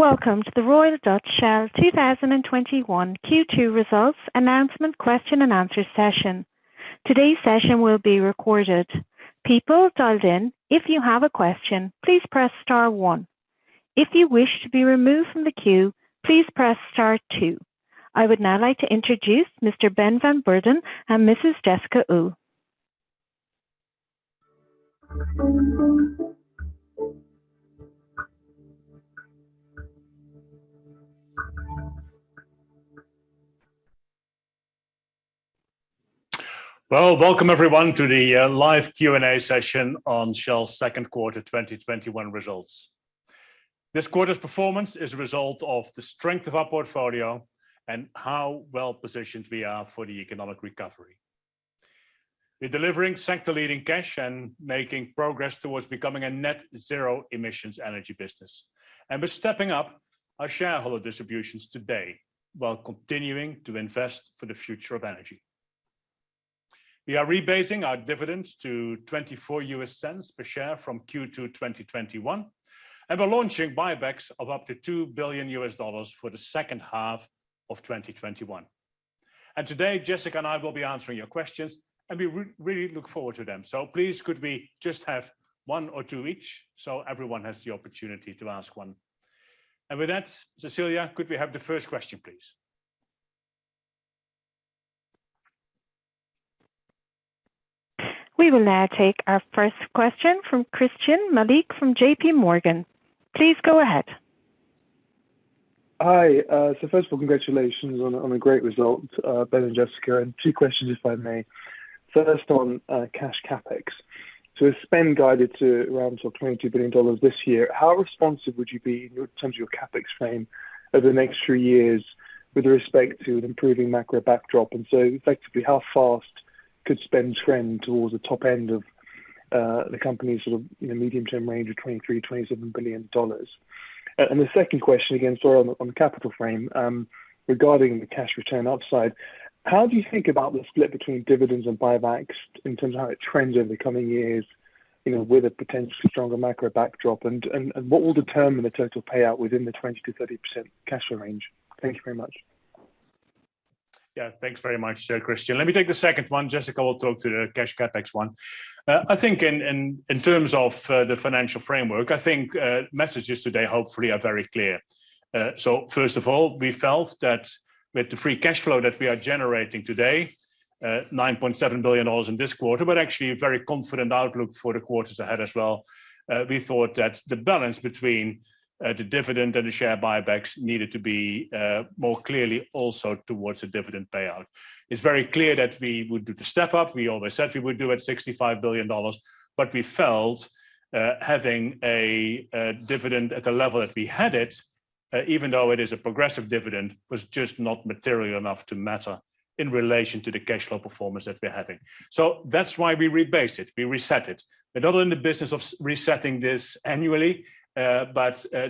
Welcome to the Royal Dutch Shell 2021 Q2 results announcement question and answer session. Today's session will be recorded. I would now like to introduce Mr. Ben van Beurden and Mrs. Jessica Uhl. Well, welcome everyone to the live Q&A session on Shell's second quarter 2021 results. This quarter's performance is a result of the strength of our portfolio and how well-positioned we are for the economic recovery. We're delivering sector-leading cash and making progress towards becoming a net zero emissions energy business. We're stepping up our shareholder distributions today while continuing to invest for the future of energy. We are rebasing our dividend to $0.24 per share from Q2 2021, and we're launching buybacks of up to $2 billion for the second half of 2021. Today, Jessica and I will be answering your questions, and we really look forward to them. Please could we just have one or two each so everyone has the opportunity to ask one. With that, Cecilia, could we have the first question please? We will now take our first question from Christyan Malek from JPMorgan. Please go ahead. Hi, first of all, congratulations on a great result, Ben and Jessica. Two questions, if I may. First on cash CapEx. With spend guided to around $22 billion this year, how responsive would you be in terms of your CapEx frame over the next three years with respect to an improving macro backdrop? Effectively how fast could spend trend towards the top end of the company's medium term range of $23 billion-$27 billion? The second question again, on capital frame, regarding the cash return outside, how do you think about the split between dividends and buybacks in terms of how it trends over the coming years, with a potentially stronger macro backdrop? What will determine the total payout within the 20%-30% cash flow range? Thank you very much. Yeah. Thanks very much, Christyan. Let me take the second one. Jessica will talk to the cash CapEx one. I think in terms of the financial framework, I think messages today hopefully are very clear. First of all, we felt that with the free cash flow that we are generating today, $9.7 billion in this quarter, we're actually very confident outlook for the quarters ahead as well. We thought that the balance between the dividend and the share buybacks needed to be more clearly also towards a dividend payout. It's very clear that we would do the step up. We always said we would do at $65 billion. We felt, having a dividend at the level that we had it, even though it is a progressive dividend, was just not material enough to matter in relation to the cash flow performance that we're having. That's why we rebase it, we reset it. We're not in the business of resetting this annually.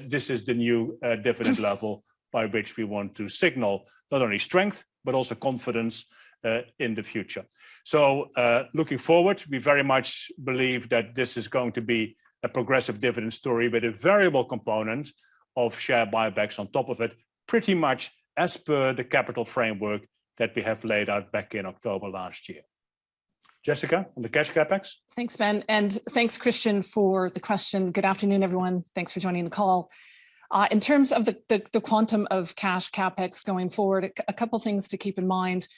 This is the new dividend level by which we want to signal not only strength, but also confidence in the future. Looking forward, we very much believe that this is going to be a progressive dividend story with a variable component of share buybacks on top of it, pretty much as per the capital framework that we have laid out back in October last year. Jessica, on the cash CapEx? Thanks, Ben, and thanks Christyan for the question. Good afternoon, everyone. Thanks for joining the call. In terms of the quantum of cash CapEx going forward, a couple of things to keep in mind.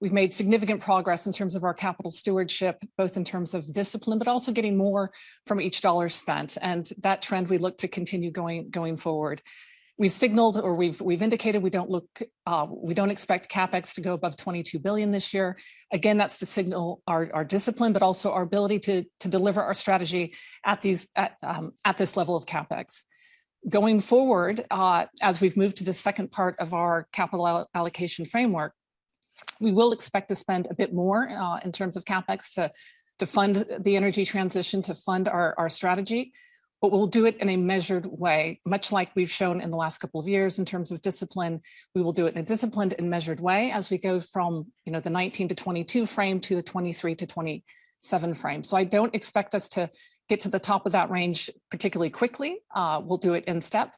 We've made significant progress in terms of our capital stewardship, both in terms of discipline, but also getting more from each dollar spent. That trend we look to continue going forward. We signaled, or we've indicated we don't expect CapEx to go above $22 billion this year. Again, that's to signal our discipline, but also our ability to deliver our strategy at this level of CapEx. Going forward, as we've moved to the second part of our capital allocation framework, we will expect to spend a bit more, in terms of CapEx, to fund the energy transition, to fund our strategy. We'll do it in a measured way, much like we've shown in the last couple of years in terms of discipline. We will do it in a disciplined and measured way as we go from the 19-22 frame to the 23-27 frame. I don't expect us to get to the top of that range particularly quickly. We'll do it in step.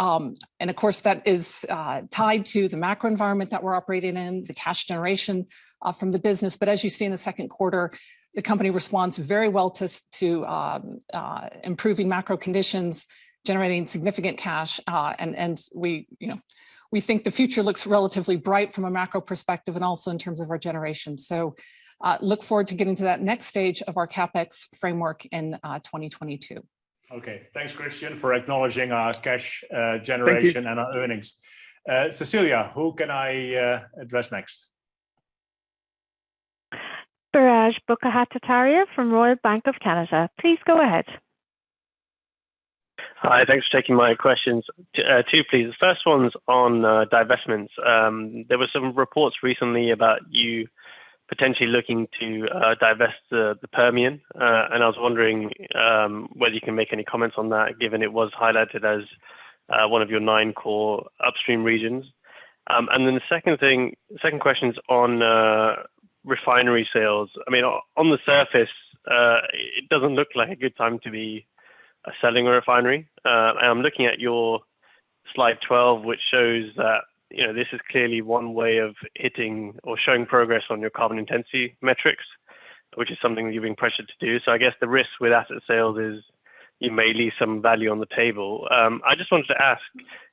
Of course that is tied to the macro environment that we're operating in, the cash generation from the business. As you see in the second quarter, the company responds very well to improving macro conditions, generating significant cash. We think the future looks relatively bright from a macro perspective and also in terms of our generation. Look forward to getting to that next stage of our CapEx framework in 2022. Okay. Thanks Christyan for acknowledging our cash generation. Thank you. Our earnings. Cecilia, who can I address next? Biraj Borkhataria from Royal Bank of Canada. Please go ahead. Hi, thanks for taking my questions. Two, please. The first one's on divestments. There were some reports recently about you potentially looking to divest the Permian. I was wondering whether you can make any comments on that, given it was highlighted as one of your nine core upstream regions? The second question is on refinery sales. On the surface, it doesn't look like a good time to be selling a refinery. I am looking at your slide 12, which shows that this is clearly one way of hitting or showing progress on your carbon intensity metrics, which is something that you're being pressured to do. I guess the risk with asset sales is you may leave some value on the table. I just wanted to ask,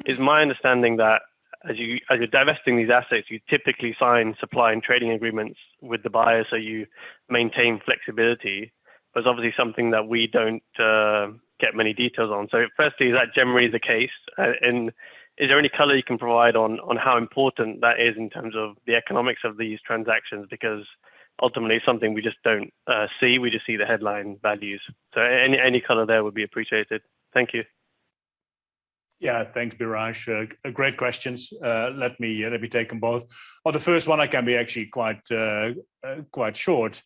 is my understanding that as you're divesting these assets, you typically sign supply and trading agreements with the buyer, so you maintain flexibility? That's obviously something that we don't get many details on. Firstly, is that generally the case? Is there any color you can provide on how important that is in terms of the economics of these transactions? Ultimately it's something we just don't see, we just see the headline values. Any color there would be appreciated. Thank you. Thanks, Biraj. Great questions. Let me take them both. On the first one, I can be actually quite short.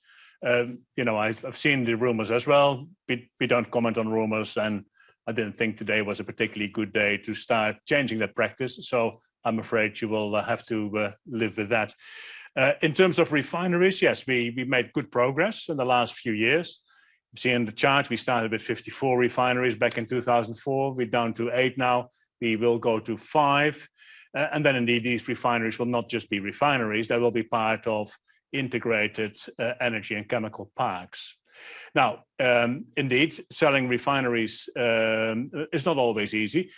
I've seen the rumors as well. We don't comment on rumors, and I didn't think today was a particularly good day to start changing that practice, so I'm afraid you will have to live with that. In terms of refineries, yes, we've made good progress in the last few years. You see in the chart, we started with 54 refineries back in 2004. We're down to eight now. We will go to five. Indeed, these refineries will not just be refineries. They will be part of integrated energy and chemical packs. Now, indeed, selling refineries is not always easy.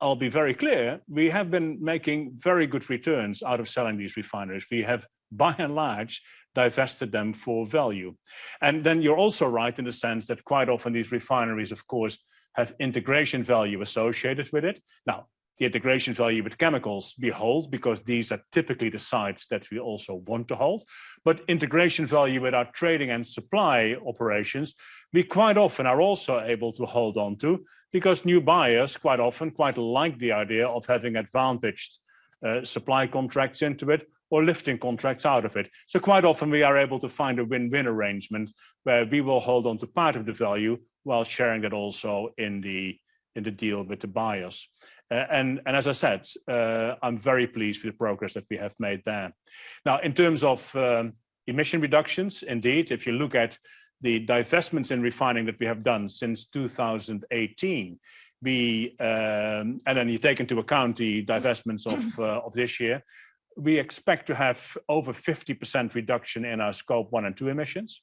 I'll be very clear, we have been making very good returns out of selling these refineries. We have by and large divested them for value. You're also right in the sense that quite often these refineries, of course, have integration value associated with it. The integration value with chemicals we hold, because these are typically the sites that we also want to hold. Integration value with our trading and supply operations, we quite often are also able to hold onto because new buyers quite often quite like the idea of having advantaged supply contracts into it or lifting contracts out of it. Quite often we are able to find a win-win arrangement where we will hold onto part of the value while sharing it also in the deal with the buyers. As I said, I'm very pleased with the progress that we have made there. In terms of emission reductions, indeed, if you look at the divestments in refining that we have done since 2018, you take into account the divestments of this year, we expect to have over 50% reduction in our Scope 1 and 2 emissions.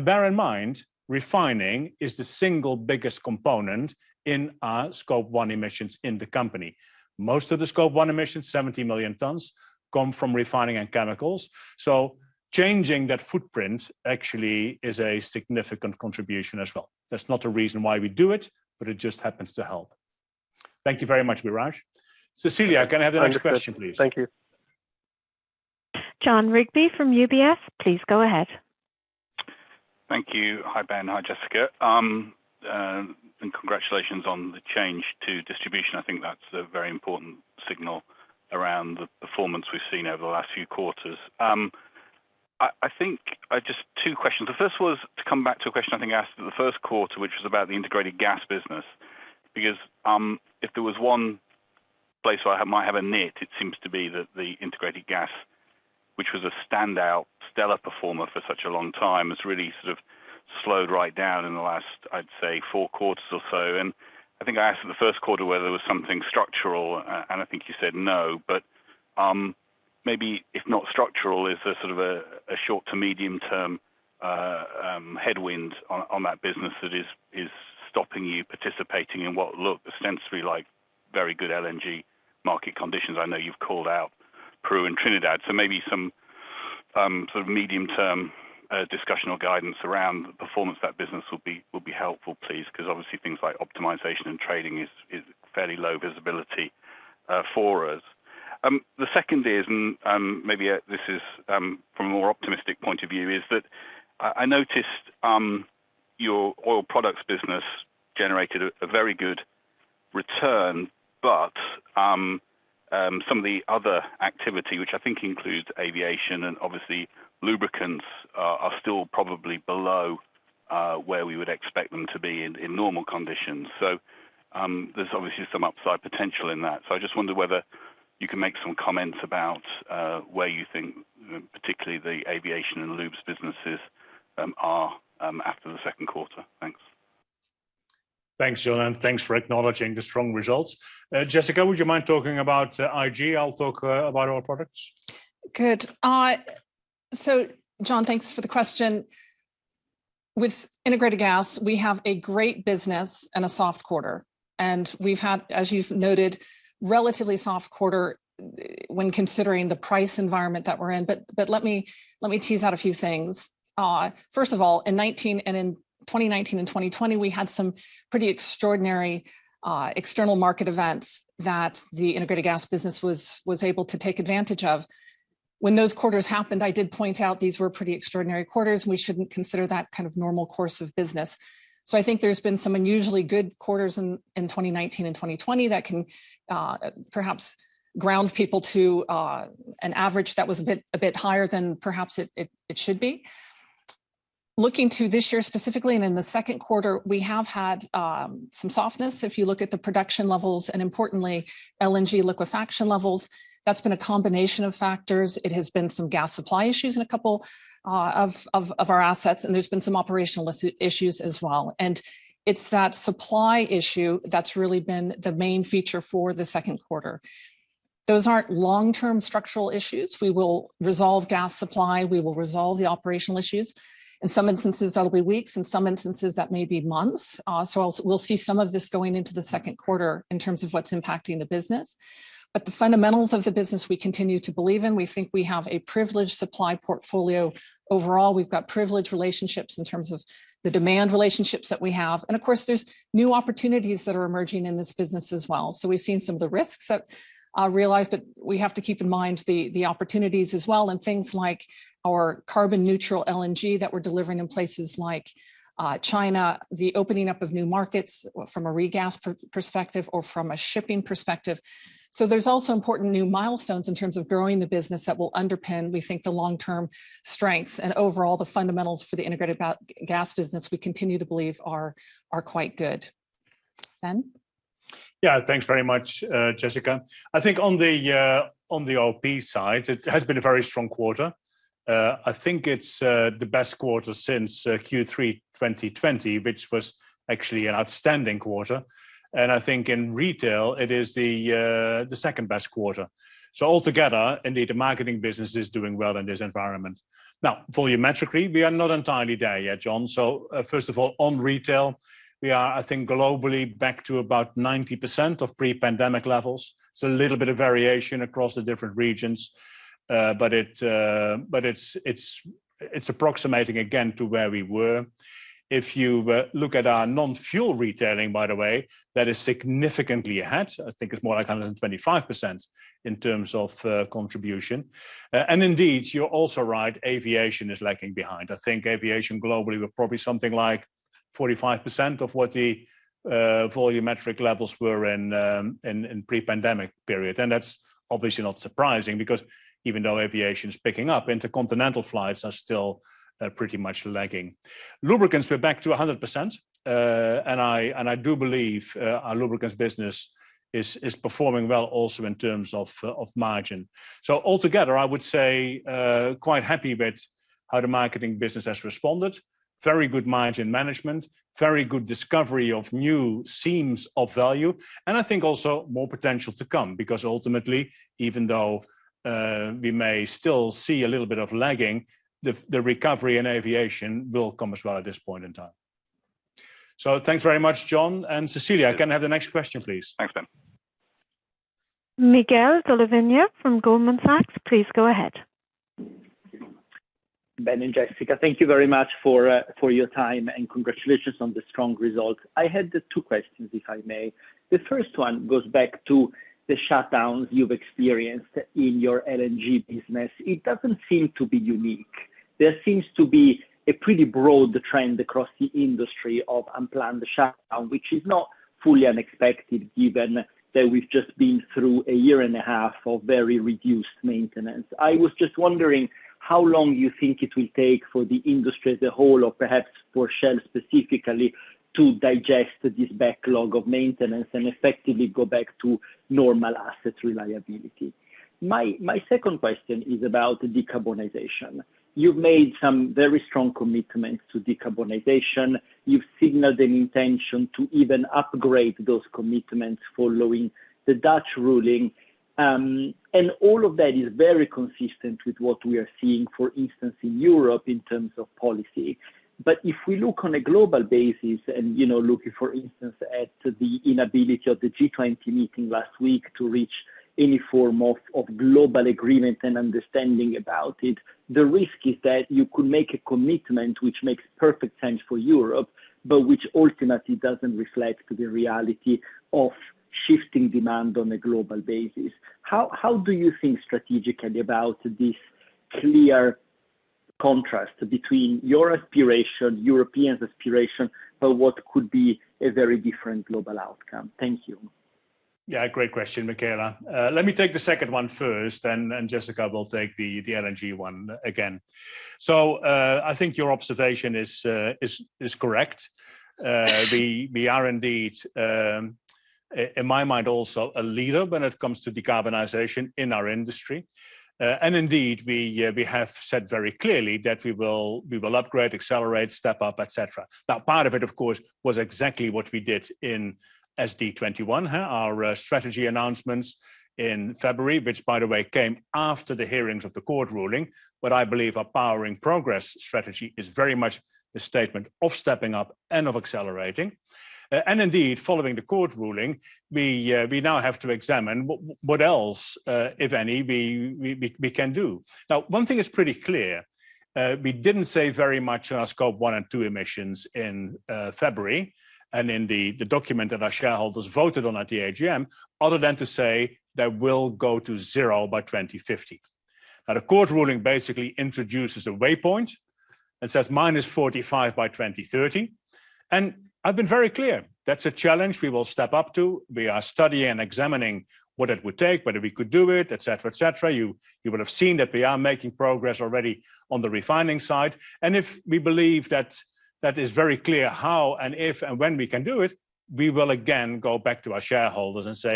Bear in mind, refining is the single biggest component in our Scope 1 emissions in the company. Most of the Scope 1 emissions, 70 million tons, come from refining and chemicals. Changing that footprint actually is a significant contribution as well. That's not a reason why we do it just happens to help. Thank you very much, Biraj. Cecilia, can I have the next question, please? Thank you. Jon Rigby from UBS, please go ahead. Thank you. Hi, Ben. Hi, Jessica. Congratulations on the change to distribution. I think that's a very important signal around the performance we've seen over the last few quarters. I think just two questions. The first was to come back to a question I think asked in the first quarter, which was about the Integrated Gas business. If there was one place where I might have a nit, it seems to be that the Integrated Gas, which was a standout stellar performer for such a long time, has really sort of slowed right down in the last, I'd say, four quarters or so. I think I asked in the first quarter whether it was something structural, and I think you said no. Maybe if not structural, is there sort of a short to medium term headwind on that business that is stopping you participating in what look ostensibly like very good LNG market conditions? I know you've called out Peru and Trinidad. Maybe some sort of medium-term discussion or guidance around the performance of that business will be helpful please, because obviously things like optimization and trading is fairly low visibility for us. The second is, and maybe this is from a more optimistic point of view, is that I noticed your oil products business generated a very good return. Some of the other activity, which I think includes aviation and obviously lubricants, are still probably below where we would expect them to be in normal conditions. There's obviously some upside potential in that. I just wonder whether you can make some comments about where you think particularly the aviation and lubes businesses are after the second quarter. Thanks. Thanks, Jon, and thanks for acknowledging the strong results. Jessica, would you mind talking about IG? I'll talk about oil products. Good. Jon, thanks for the question. With Integrated Gas, we have a great business and a soft quarter. We've had, as you've noted, relatively soft quarter when considering the price environment that we're in. Let me tease out a few things. First of all, in 2019 and 2020, we had some pretty extraordinary external market events that the Integrated Gas business was able to take advantage of. When those quarters happened, I did point out these were pretty extraordinary quarters and we shouldn't consider that kind of normal course of business. I think there's been some unusually good quarters in 2019 and 2020 that can perhaps ground people to an average that was a bit higher than perhaps it should be. Looking to this year specifically and in the second quarter, we have had some softness. If you look at the production levels, and importantly, LNG liquefaction levels, that's been a combination of factors. It has been some gas supply issues in a couple of our assets, and there's been some operational issues as well. It's that supply issue that's really been the main feature for the second quarter. Those aren't long-term structural issues. We will resolve gas supply. We will resolve the operational issues. In some instances, that'll be weeks. In some instances, that may be months. We'll see some of this going into the second quarter in terms of what's impacting the business. The fundamentals of the business we continue to believe in. We think we have a privileged supply portfolio overall. We've got privileged relationships in terms of the demand relationships that we have. Of course, there's new opportunities that are emerging in this business as well. We've seen some of the risks that are realized, but we have to keep in mind the opportunities as well and things like our carbon neutral LNG that we're delivering in places like China, the opening up of new markets from a regas perspective or from a shipping perspective. There's also important new milestones in terms of growing the business that will underpin, we think, the long-term strengths. Overall, the fundamentals for the Integrated Gas business we continue to believe are quite good. Ben? Thanks very much, Jessica. I think on the OP side, it has been a very strong quarter. I think it's the best quarter since Q3 2020, which was actually an outstanding quarter. I think in retail it is the second-best quarter. Altogether, indeed, the marketing business is doing well in this environment. Now, volumetrically, we are not entirely there yet, Jon. First of all, on retail, we are, I think, globally back to about 90% of pre-pandemic levels. A little bit of variation across the different regions. It's approximating again to where we were. If you look at our non-fuel retailing, by the way, that is significantly ahead. I think it's more like 125% in terms of contribution. Indeed, you're also right, aviation is lagging behind. I think aviation globally, we're probably something like 45% of what the volumetric levels were in pre-pandemic period. That's obviously not surprising because even though aviation is picking up, intercontinental flights are still pretty much lagging. Lubricants, we're back to 100%. I do believe our lubricants business is performing well also in terms of margin. Altogether, I would say quite happy with how the marketing business has responded. Very good margin management, very good discovery of new seams of value, and I think also more potential to come. Ultimately, even though we may still see a little bit of lagging, the recovery in aviation will come as well at this point in time. Thanks very much, Jon. Cecilia, can I have the next question, please? Thanks, Ben. Michele Della Vigna from Goldman Sachs, please go ahead. Ben and Jessica, thank you very much for your time, and congratulations on the strong results. I had the two questions, if I may. The first one goes back to the shutdowns you've experienced in your LNG business. It doesn't seem to be unique. There seems to be a pretty broad trend across the industry of unplanned shutdown, which is not fully unexpected given that we've just been through a year and a half of very reduced maintenance. I was just wondering how long you think it will take for the industry as a whole, or perhaps for Shell specifically, to digest this backlog of maintenance and effectively go back to normal asset reliability. My second question is about decarbonization. You've made some very strong commitments to decarbonization. You've signaled an intention to even upgrade those commitments following the Dutch ruling. All of that is very consistent with what we are seeing, for instance, in Europe in terms of policy. If we look on a global basis and looking, for instance, at the inability of the G20 meeting last week to reach any form of global agreement and understanding about it, the risk is that you could make a commitment which makes perfect sense for Europe, but which ultimately doesn't reflect the reality of shifting demand on a global basis. How do you think strategically about this clear contrast between your aspiration, Europeans' aspiration, but what could be a very different global outcome? Thank you. Yeah. Great question, Michele. Let me take the second one first, and Jessica will take the LNG one again. I think your observation is correct. We are indeed, in my mind also, a leader when it comes to decarbonization in our industry. Indeed, we have said very clearly that we will upgrade, accelerate, step up, et cetera. Part of it, of course, was exactly what we did in SD21, our strategy announcements in February, which by the way, came after the hearings of the court ruling. I believe our Powering Progress strategy is very much a statement of stepping up and of accelerating. Indeed, following the court ruling, we now have to examine what else, if any, we can do. One thing is pretty clear. We didn't say very much on our Scope 1 and 2 emissions in February and in the document that our shareholders voted on at the AGM, other than to say that we'll go to zero by 2050. The court ruling basically introduces a waypoint and says -45% by 2030. I've been very clear, that's a challenge we will step up to. We are studying and examining what it would take, whether we could do it, et cetera. You would have seen that we are making progress already on the refining side. If we believe that that is very clear how and if and when we can do it, we will again go back to our shareholders and say,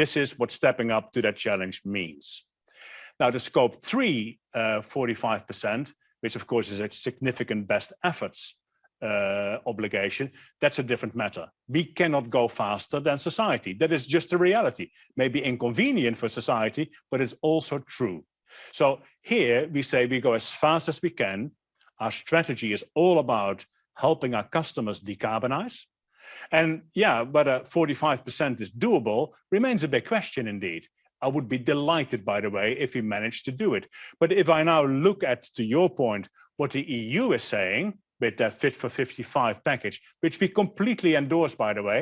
"This is what stepping up to that challenge means." To Scope 3, 45%, which of course is a significant best efforts obligation, that's a different matter. We cannot go faster than society. That is just the reality. Maybe inconvenient for society, but it's also true. Here we say we go as fast as we can. Our strategy is all about helping our customers decarbonize. Yeah, but 45% is doable remains a big question indeed. I would be delighted, by the way, if we managed to do it. If I now look at, to your point, what the EU is saying with their Fit for 55 package, which we completely endorse, by the way,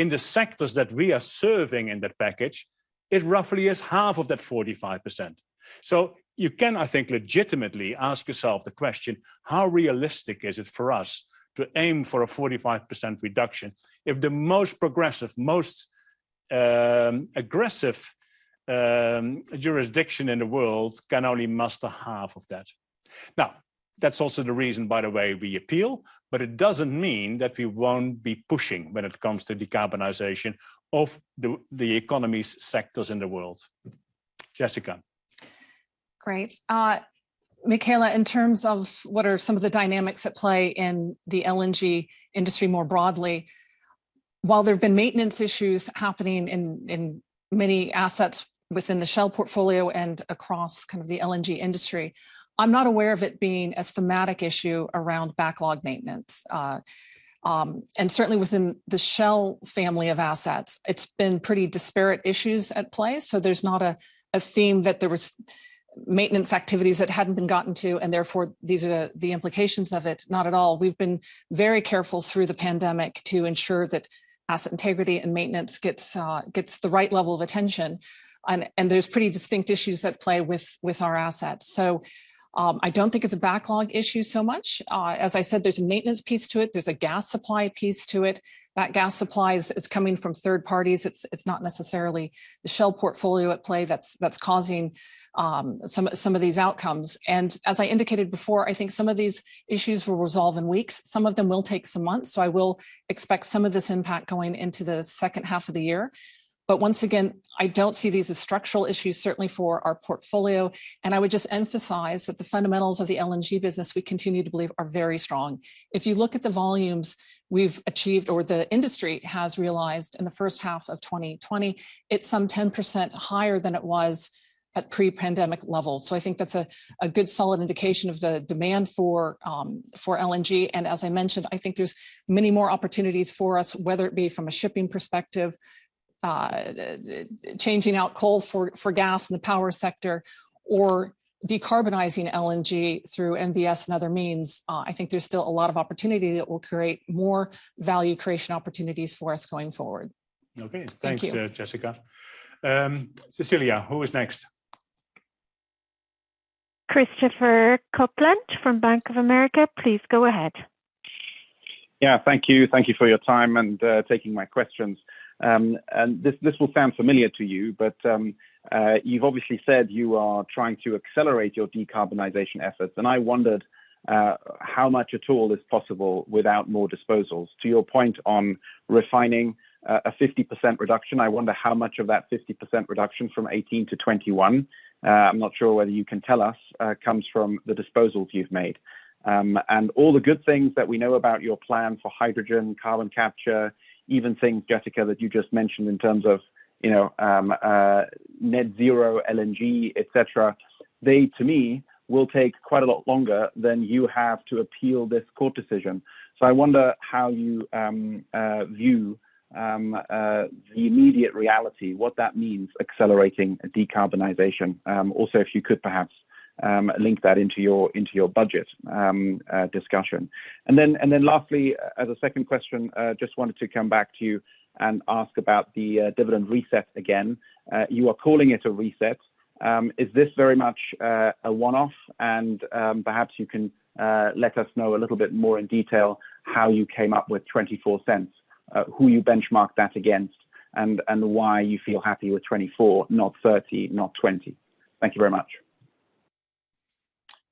in the sectors that we are serving in that package, it roughly is half of that 45%. You can, I think, legitimately ask yourself the question, how realistic is it for us to aim for a 45% reduction if the most progressive, most aggressive jurisdiction in the world can only muster half of that? That's also the reason, by the way, we appeal, but it doesn't mean that we won't be pushing when it comes to decarbonization of the economy sectors in the world. Jessica. Great. Michele Della Vigna, in terms of what are some of the dynamics at play in the LNG industry more broadly, while there have been maintenance issues happening in many assets within the Shell portfolio and across the LNG industry, I'm not aware of it being a thematic issue around backlog maintenance. Certainly within the Shell family of assets, it's been pretty disparate issues at play, so there's not a theme that there was maintenance activities that hadn't been gotten to, and therefore these are the implications of it. Not at all. We've been very careful through the pandemic to ensure that asset integrity and maintenance gets the right level of attention, and there's pretty distinct issues at play with our assets. I don't think it's a backlog issue so much. As I said, there's a maintenance piece to it. There's a gas supply piece to it. That gas supply is coming from third parties. It's not necessarily the Shell portfolio at play that's causing some of these outcomes. As I indicated before, I think some of these issues will resolve in weeks. Some of them will take some months, so I will expect some of this impact going into the second half of the year. Once again, I don't see these as structural issues, certainly for our portfolio. I would just emphasize that the fundamentals of the LNG business, we continue to believe are very strong. If you look at the volumes we've achieved or the industry has realized in the first half of 2020, it's some 10% higher than it was at pre-pandemic levels. I think that's a good solid indication of the demand for LNG. As I mentioned, I think there's many more opportunities for us, whether it be from a shipping perspective, changing out coal for gas in the power sector, or decarbonizing LNG through NBS and other means. I think there's still a lot of opportunity that will create more value creation opportunities for us going forward. Okay. Thank you. Thanks, Jessica. Cecilia, who is next? Christopher Kuplent from Bank of America, please go ahead. Thank you. Thank you for your time and taking my questions. This will sound familiar to you, but you've obviously said you are trying to accelerate your decarbonization efforts, and I wondered how much at all is possible without more disposals. To your point on refining a 50% reduction, I wonder how much of that 50% reduction from 2018-2021, I'm not sure whether you can tell us, comes from the disposals you've made. All the good things that we know about your plan for hydrogen, carbon capture, even things, Jessica Uhl, that you just mentioned in terms of net zero LNG, et cetera, they, to me, will take quite a lot longer than you have to appeal this court decision. I wonder how you view the immediate reality, what that means accelerating decarbonization. Also, if you could perhaps link that into your budget discussion. Lastly, as a second question, just wanted to come back to you and ask about the dividend reset again. You are calling it a reset. Is this very much a one-off? Perhaps you can let us know a little bit more in detail how you came up with $0.24, who you benchmarked that against, and why you feel happy with $0.24, not $0.30, not $0.20. Thank you very much.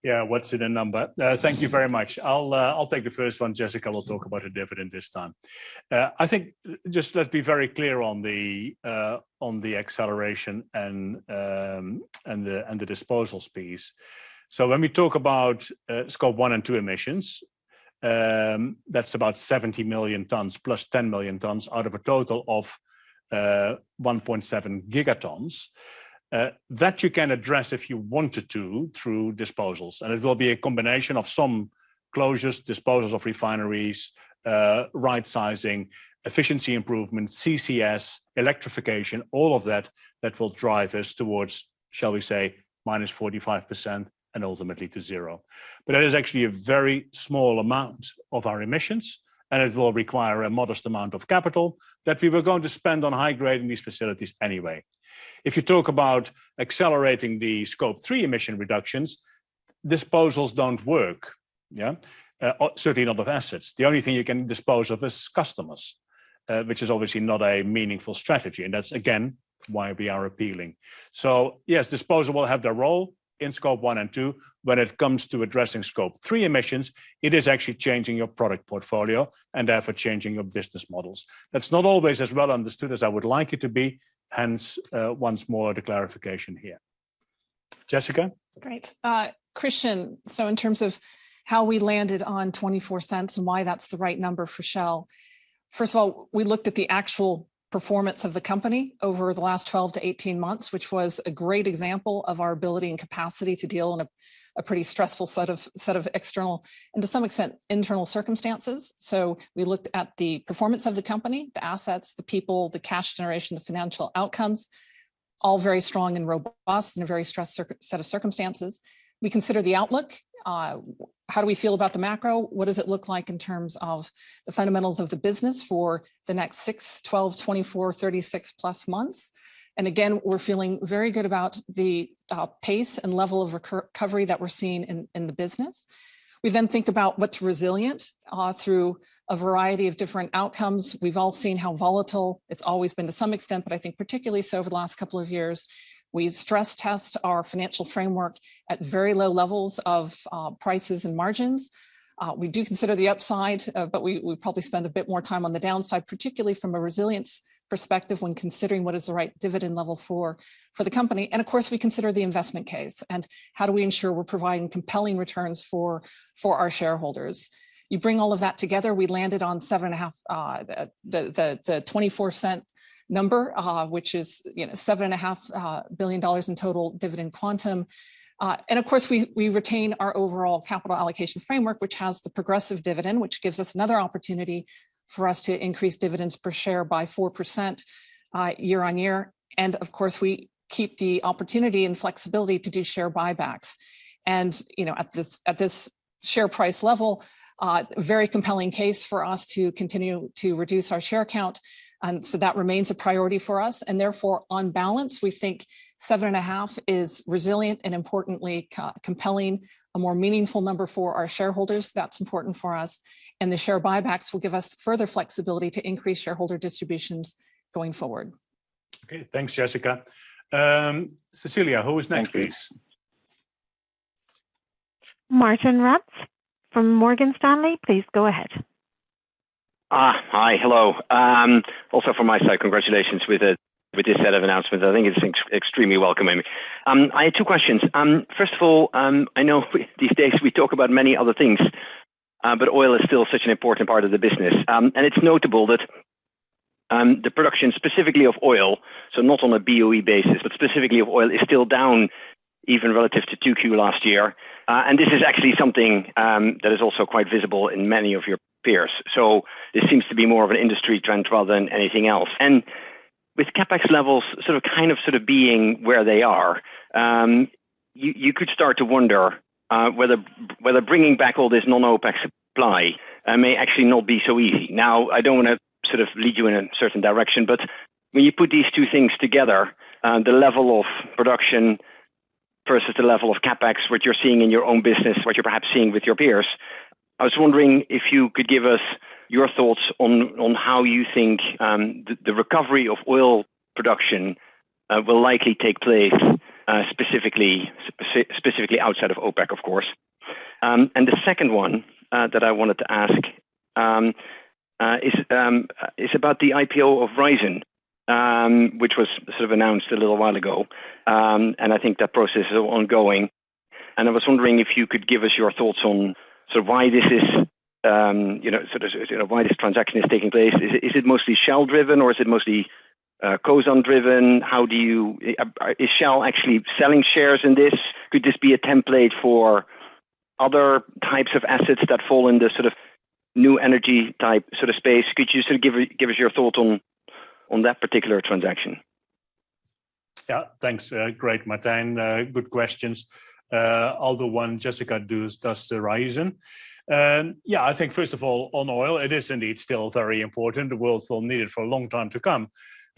Yeah. What's in a number? Thank you very much. I'll take the first one. Jessica Uhl will talk about her dividend this time. I think just let's be very clear on the acceleration and the disposals piece. When we talk about Scope 1 and 2 emissions, that's about 70 million tons plus 10 million tons out of a total of 1.7 gigatons. That you can address if you wanted to through disposals, it will be a combination of some closures, disposals of refineries, right-sizing, efficiency improvements, CCS, electrification, all of that will drive us towards, shall we say, -45% and ultimately to zero. That is actually a very small amount of our emissions, it will require a modest amount of capital that we were going to spend on high-grading these facilities anyway. If you talk about accelerating the Scope 3 emission reductions, disposals don't work. Yeah? Certainly not of assets. The only thing you can dispose of is customers, which is obviously not a meaningful strategy. That's, again, why we are appealing. Yes, disposal will have the role in Scope 1 and 2. When it comes to addressing Scope 3 emissions, it is actually changing your product portfolio and therefore, changing your business models. That's not always as well understood as I would like it to be, hence, once more, the clarification here. Jessica? Great. Christopher, in terms of how we landed on $0.24 and why that's the right number for Shell. First of all, we looked at the actual performance of the company over the last 12-18 months, which was a great example of our ability and capacity to deal in a pretty stressful set of external, and to some extent, internal circumstances. We looked at the performance of the company, the assets, the people, the cash generation, the financial outcomes, all very strong and robust in a very stressed set of circumstances. We consider the outlook. How do we feel about the macro? What does it look like in terms of the fundamentals of the business for the next six, 12, 24, 36+ months? Again, we're feeling very good about the pace and level of recovery that we're seeing in the business. We then think about what's resilient through a variety of different outcomes. We've all seen how volatile it's always been to some extent, but I think particularly so over the last couple of years. We stress test our financial framework at very low levels of prices and margins. We do consider the upside, but we probably spend a bit more time on the downside, particularly from a resilience perspective when considering what is the right dividend level for the company. Of course, we consider the investment case and how do we ensure we're providing compelling returns for our shareholders. You bring all of that together, we landed on the $0.24 number, which is $7.5 billion in total dividend quantum. Of course, we retain our overall capital allocation framework, which has the progressive dividend, which gives us another opportunity for us to increase dividends per share by 4% year-on-year. Of course, we keep the opportunity and flexibility to do share buybacks. At this share price level, very compelling case for us to continue to reduce our share count. That remains a priority for us. Therefore, on balance, we think 7.5% is resilient and importantly, compelling, a more meaningful number for our shareholders. That's important for us. The share buybacks will give us further flexibility to increase shareholder distributions going forward. Okay, thanks, Jessica. Cecilia, who is next, please? Martijn Rats from Morgan Stanley, please go ahead. Hi. Hello. Also from my side, congratulations with this set of announcements. I think it's extremely welcoming. I had two questions. First of all, I know these days we talk about many other things, oil is still such an important part of the business. It's notable that the production specifically of oil, so not on a BOE basis, but specifically of oil, is still down even relative to 2Q last year. This is actually something that is also quite visible in many of your peers. This seems to be more of an industry trend rather than anything else. With CapEx levels sort of being where they are, you could start to wonder whether bringing back all this non-OPEC supply may actually not be so easy. Now, I don't want to lead you in a certain direction, but when you put these two things together, the level of production versus the level of CapEx, what you're seeing in your own business, what you're perhaps seeing with your peers, I was wondering if you could give us your thoughts on how you think the recovery of oil production will likely take place, specifically outside of OPEC, of course. The second one that I wanted to ask is about the IPO of Raízen, which was announced a little while ago, and I think that process is ongoing. I was wondering if you could give us your thoughts on why this transaction is taking place. Is it mostly Shell-driven or is it mostly Cosan-driven? Is Shell actually selling shares in this? Could this be a template for other types of assets that fall in the new energy type space? Could you give us your thoughts on that particular transaction? Thanks. Great, Martijn. Good questions. Other one, Jessica does the Raízen. I think first of all, on oil, it is indeed still very important. The world will need it for a long time to come.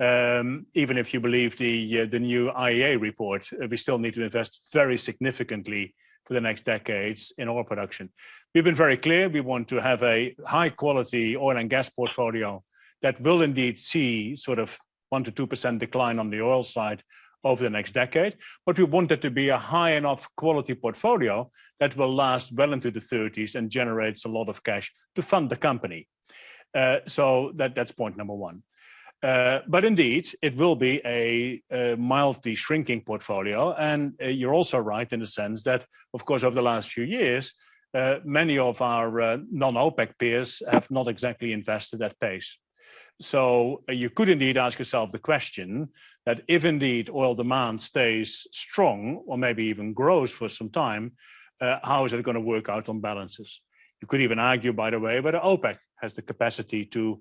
Even if you believe the new IEA report, we still need to invest very significantly for the next decades in oil production. We've been very clear we want to have a high-quality oil and gas portfolio that will indeed see sort of 1%-2% decline on the oil side over the next decade. We want it to be a high enough quality portfolio that will last well into the '30s and generates a lot of cash to fund the company. That's point number one. Indeed, it will be a mildly shrinking portfolio, and you're also right in the sense that, of course, over the last few years, many of our non-OPEC peers have not exactly invested at pace. You could indeed ask yourself the question that if indeed oil demand stays strong or maybe even grows for some time, how is it going to work out on balances? You could even argue, by the way, whether OPEC has the capacity to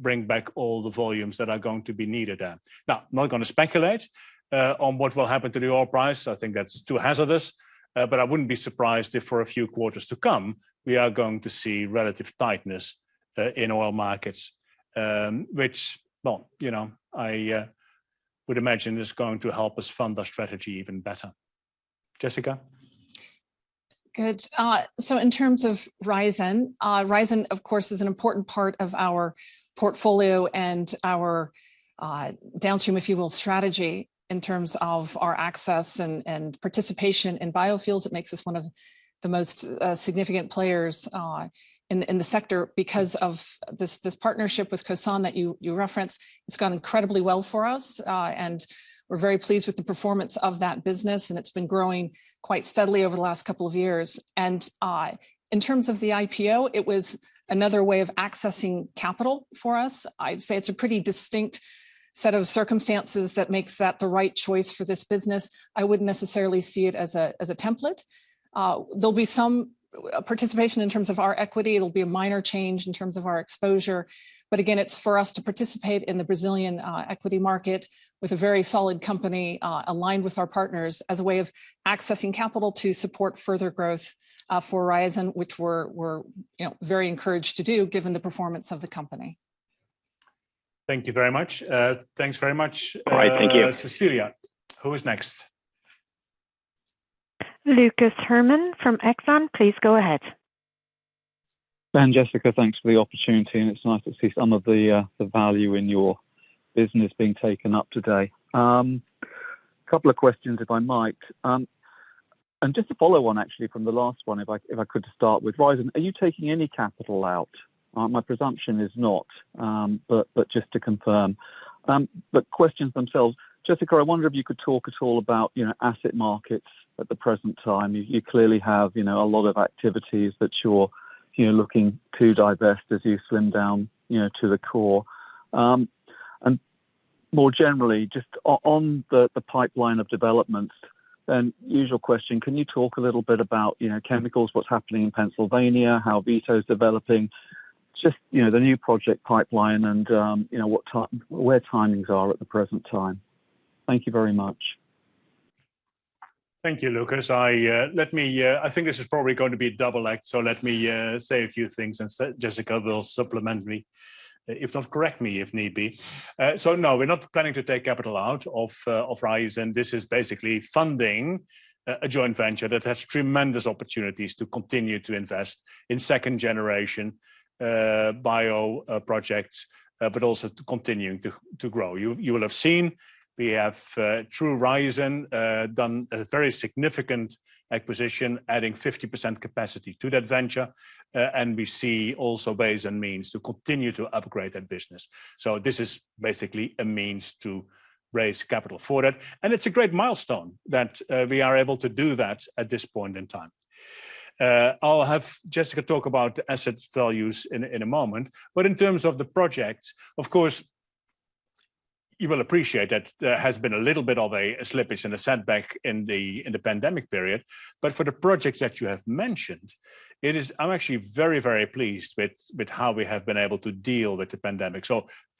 bring back all the volumes that are going to be needed there. I'm not going to speculate on what will happen to the oil price. I think that's too hazardous. I wouldn't be surprised if for a few quarters to come, we are going to see relative tightness in oil markets, which, well, I would imagine it's going to help us fund our strategy even better. Jessica? Good. In terms of Raízen of course, is an important part of our portfolio and our downstream, if you will, strategy in terms of our access and participation in biofuels. It makes us one of the most significant players in the sector because of this partnership with Cosan that you referenced. It's gone incredibly well for us, and we're very pleased with the performance of that business, and it's been growing quite steadily over the last couple of years. In terms of the IPO, it was another way of accessing capital for us. I'd say it's a pretty distinct set of circumstances that makes that the right choice for this business. I wouldn't necessarily see it as a template. There'll be some participation in terms of our equity. It'll be a minor change in terms of our exposure, but again, it's for us to participate in the Brazilian equity market with a very solid company aligned with our partners as a way of accessing capital to support further growth for Raízen, which we're very encouraged to do given the performance of the company. Thank you very much. Thanks very much. All right. Thank you. Cecilia. Who is next? Lucas Herrmann from Exane, please go ahead. Ben, Jessica, thanks for the opportunity, and it's nice to see some of the value in your business being taken up today. Couple of questions, if I might. Just to follow on actually from the last one, if I could start with Raízen. Are you taking any capital out? My presumption is not, but just to confirm. Questions themselves, Jessica, I wonder if you could talk at all about asset markets at the present time. You clearly have a lot of activities that you're looking to divest as you slim down to the core. More generally, just on the pipeline of developments, then usual question, can you talk a little bit about chemicals, what's happening in Pennsylvania, how Vito's developing, just the new project pipeline and where timings are at the present time. Thank you very much. Thank you, Lucas. I think this is probably going to be a double act, let me say a few things and Jessica will supplement me, if not correct me, if need be. No, we're not planning to take capital out of Raízen. This is basically funding a joint venture that has tremendous opportunities to continue to invest in second-generation bio projects, but also to continuing to grow. You will have seen we have, through Raízen, done a very significant acquisition, adding 50% capacity to that venture, and we see also ways and means to continue to upgrade that business. This is basically a means to raise capital for that. It's a great milestone that we are able to do that at this point in time. I'll have Jessica talk about asset values in a moment, but in terms of the projects, of course, you will appreciate that there has been a little bit of a slippage and a setback in the pandemic period. For the projects that you have mentioned, I'm actually very, very pleased with how we have been able to deal with the pandemic.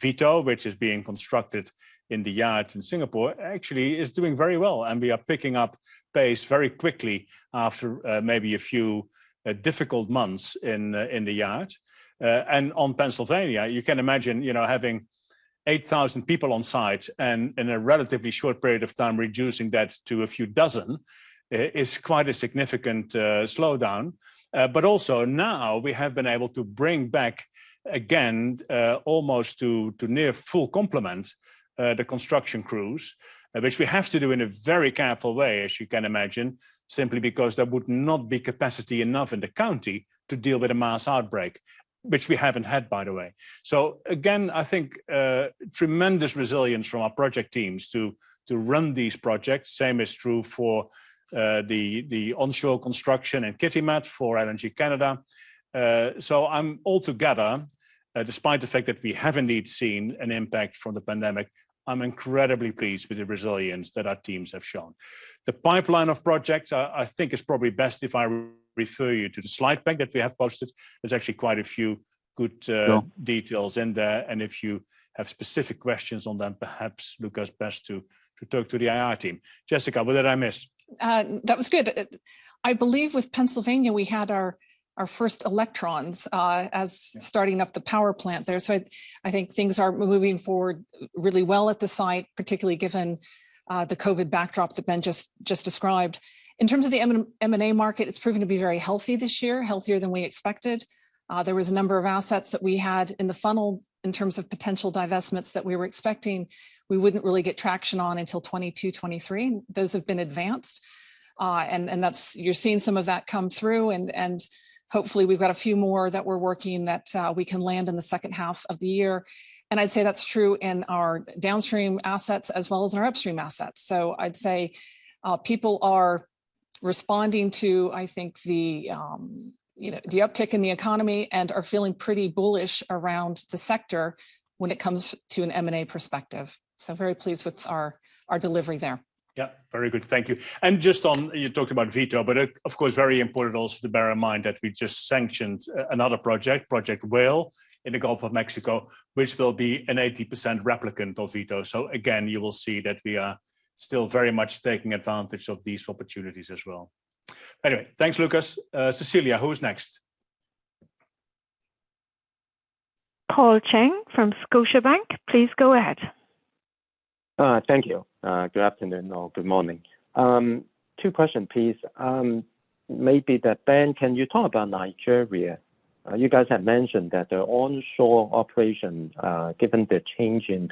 Vito, which is being constructed in the yard in Singapore, actually is doing very well, and we are picking up pace very quickly after maybe a few difficult months in the yard. On Pennsylvania, you can imagine, having 8,000 people on site and in a relatively short period of time reducing that to a few dozen is quite a significant slowdown. Also now we have been able to bring back again, almost to near full complement, the construction crews, which we have to do in a very careful way, as you can imagine, simply because there would not be capacity enough in the county to deal with a mass outbreak, which we haven't had, by the way. Again, I think, tremendous resilience from our project teams to run these projects. Same is true for the onshore construction in Kitimat for LNG Canada. Altogether, despite the fact that we have indeed seen an impact from the pandemic, I'm incredibly pleased with the resilience that our teams have shown. The pipeline of projects, I think it's probably best if I refer you to the slide deck that we have posted. Sure. Details in there, if you have specific questions on them, perhaps Lucas, best to talk to the IR team. Jessica, what did I miss? That was good. I believe with Pennsylvania we had our first electrons as starting up the power plant there. I think things are moving forward really well at the site, particularly given the COVID backdrop that Ben just described. In terms of the M&A market, it's proven to be very healthy this year, healthier than we expected. There was a number of assets that we had in the funnel in terms of potential divestments that we were expecting we wouldn't really get traction on until 2022, 2023. Those have been advanced. You're seeing some of that come through and hopefully we've got a few more that we're working that we can land in the second half of the year. I'd say that's true in our downstream assets as well as our upstream assets. I'd say people are responding to, I think, the uptick in the economy and are feeling pretty bullish around the sector when it comes to an M&A perspective. Very pleased with our delivery there. Yeah. Very good. Thank you. Just on, you talked about Vito, but of course, very important also to bear in mind that we just sanctioned another project, Project Whale in the Gulf of Mexico, which will be an 80% replicant of Vito. Again, you will see that we are still very much taking advantage of these opportunities as well. Anyway, thanks Lucas. Cecilia, who is next? Paul Cheng from Scotiabank, please go ahead. Thank you. Good afternoon or good morning. Two question, please. Maybe Ben, can you talk about Nigeria? You guys have mentioned that the onshore operation, given the change in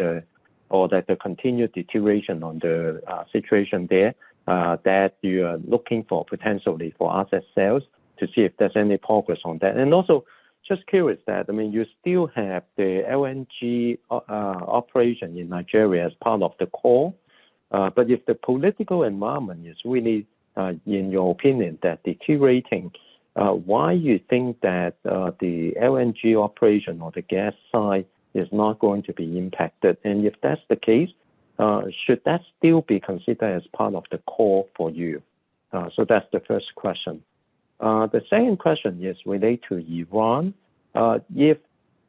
or that the continued deterioration on the situation there, that you are looking for potentially for asset sales to see if there's any progress on that. Also just curious that, you still have the LNG operation in Nigeria as part of the core. If the political environment is really, in your opinion, deteriorating, why you think that the LNG operation or the gas side is not going to be impacted? If that's the case, should that still be considered as part of the core for you? That's the first question. The second question is related to Iran. If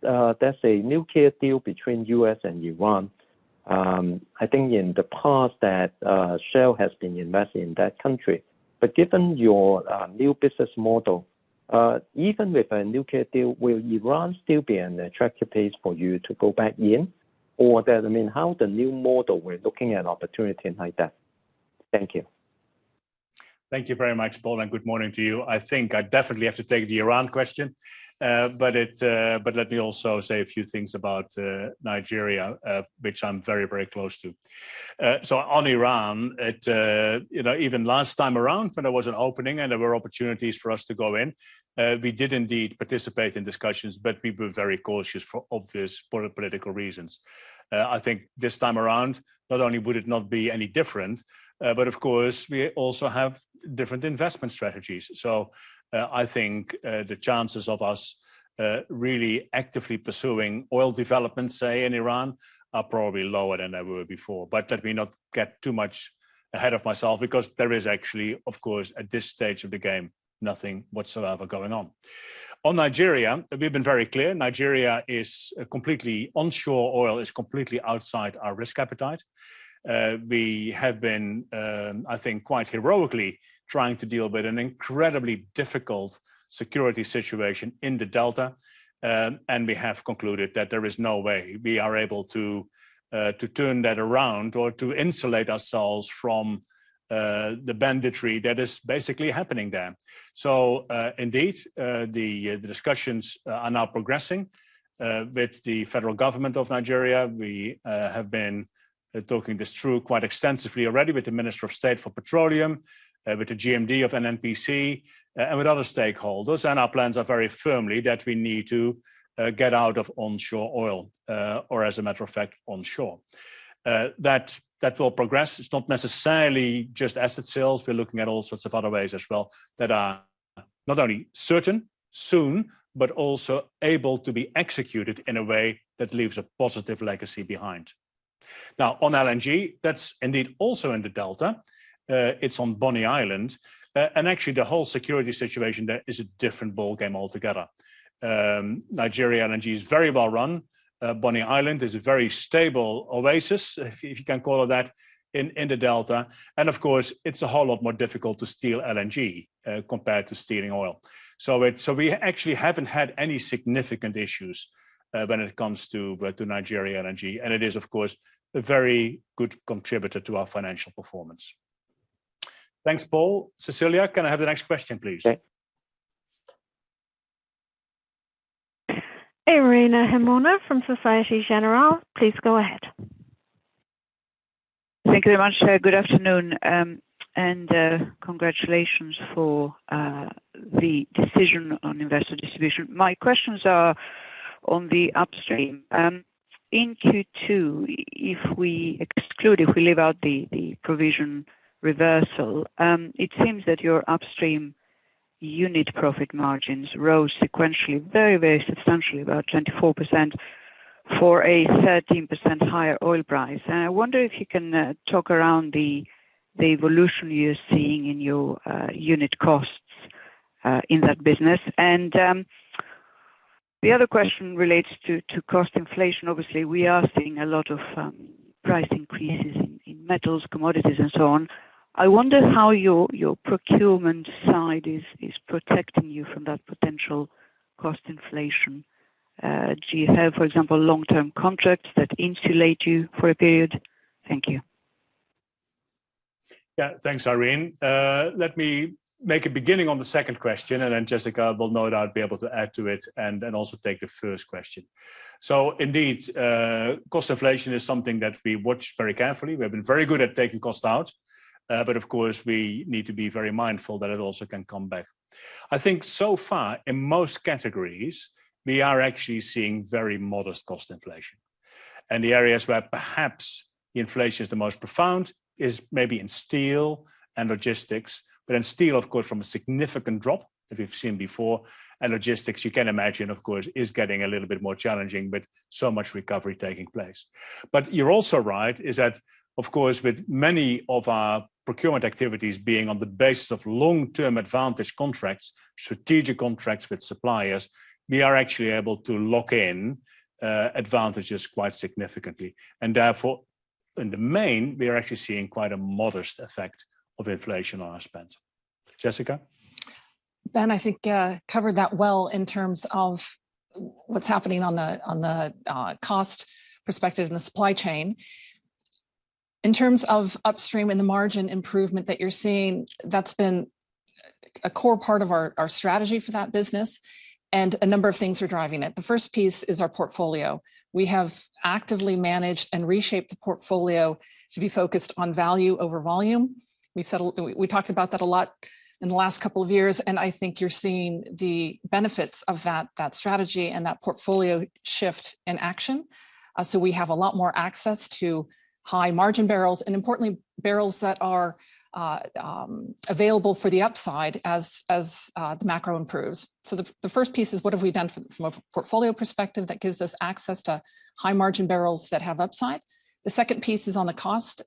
there's a nuclear deal between U.S. and Iran, I think in the past that Shell has been investing in that country. Given your new business model, even with a nuclear deal, will Iran still be an attractive place for you to go back in? How the new model, we're looking at opportunity like that. Thank you. Thank you very much, Paul, and good morning to you. I think I definitely have to take the Iran question. Let me also say a few things about Nigeria, which I'm very, very close to. On Iran, even last time around when there was an opening and there were opportunities for us to go in, we did indeed participate in discussions, but we were very cautious for obvious political reasons. I think this time around, not only would it not be any different, but of course we also have different investment strategies. I think the chances of us really actively pursuing oil development, say, in Iran, are probably lower than they were before. Let me not get too much ahead of myself because there is actually, of course, at this stage of the game, nothing whatsoever going on. On Nigeria, we've been very clear. Nigeria is completely onshore oil, is completely outside our risk appetite. We have been, I think, quite heroically trying to deal with an incredibly difficult security situation in the Delta. We have concluded that there is no way we are able to turn that around or to insulate ourselves from the banditry that is basically happening there. Indeed, the discussions are now progressing with the federal government of Nigeria. We have been talking this through quite extensively already with the Minister of State for Petroleum, with the GMD of NNPC, and with other stakeholders. Our plans are very firmly that we need to get out of onshore oil. As a matter of fact, onshore. That will progress. It's not necessarily just asset sales. We're looking at all sorts of other ways as well that are not only certain soon, but also able to be executed in a way that leaves a positive legacy behind. On LNG, that's indeed also in the Delta. It's on Bonny Island. Actually, the whole security situation there is a different ballgame altogether. Nigeria LNG is very well run. Bonny Island is a very stable oasis, if you can call it that, in the Delta. Of course, it's a whole lot more difficult to steal LNG compared to stealing oil. We actually haven't had any significant issues when it comes to Nigeria LNG. It is, of course, a very good contributor to our financial performance. Thanks, Paul. Cecilia, can I have the next question, please? Irene Himona from Societe Generale, please go ahead. Thank you very much. Good afternoon. Congratulations for the decision on investor distribution. My questions are on the upstream. In Q2, if we exclude, if we leave out the provision reversal, it seems that your upstream unit profit margins rose sequentially very substantially, about 24% for a 13% higher oil price. I wonder if you can talk around the evolution you're seeing in your unit costs in that business. The other question relates to cost inflation. Obviously, we are seeing a lot of price increases in metals, commodities, and so on. I wonder how your procurement side is protecting you from that potential cost inflation. Do you have, for example, long-term contracts that insulate you for a period? Thank you. Thanks, Irene. Let me make a beginning on the second question, and then Jessica will no doubt be able to add to it and then also take the first question. Indeed, cost inflation is something that we watch very carefully. We have been very good at taking cost out. Of course, we need to be very mindful that it also can come back. I think so far, in most categories, we are actually seeing very modest cost inflation. The areas where perhaps inflation is the most profound is maybe in steel and logistics. In steel, of course, from a significant drop that we've seen before. Logistics, you can imagine, of course, is getting a little bit more challenging with so much recovery taking place. You're also right, is that, of course, with many of our procurement activities being on the basis of long-term advantage contracts, strategic contracts with suppliers, we are actually able to lock in advantages quite significantly. Therefore, in the main, we are actually seeing quite a modest effect of inflation on our spend. Jessica? Ben, I think covered that well in terms of what's happening on the cost perspective and the supply chain. In terms of upstream and the margin improvement that you're seeing, that's been a core part of our strategy for that business. A number of things are driving it. The first piece is our portfolio. We have actively managed and reshaped the portfolio to be focused on value over volume. We talked about that a lot in the last couple of years. I think you're seeing the benefits of that strategy and that portfolio shift in action. We have a lot more access to high-margin barrels, and importantly, barrels that are available for the upside as the macro improves. The first piece is what have we done from a portfolio perspective that gives us access to high-margin barrels that have upside. The second piece is on the cost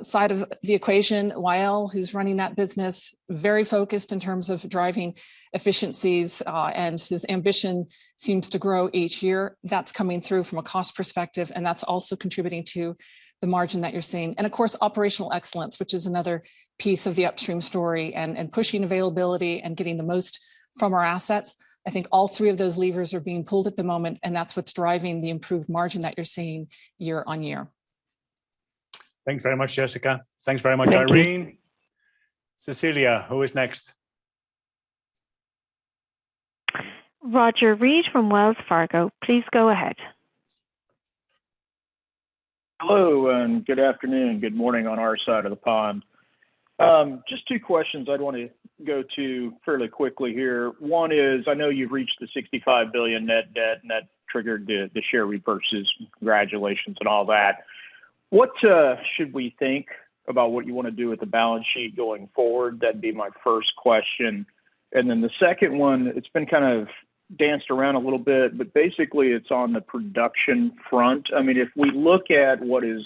side of the equation. Wael, who's running that business, very focused in terms of driving efficiencies, and his ambition seems to grow each year. That's coming through from a cost perspective, and that's also contributing to the margin that you're seeing. Of course, operational excellence, which is another piece of the upstream story, and pushing availability and getting the most from our assets. I think all three of those levers are being pulled at the moment, and that's what's driving the improved margin that you're seeing year-on-year. Thanks very much, Jessica. Thanks very much, Irene. Cecilia, who is next? Roger Read from Wells Fargo. Please go ahead. Hello, and good afternoon. Good morning on our side of the pond. Just two questions I'd want to go to fairly quickly here. One is, I know you've reached the $65 billion net debt, and that triggered the share repurchases, congratulations and all that. What should we think about what you want to do with the balance sheet going forward? That'd be my first question. The second one, it's been kind of danced around a little bit, but basically, it's on the production front. If we look at what is